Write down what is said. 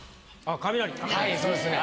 はいそうですね。